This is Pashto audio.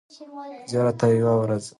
زیارت ته یې ورځه.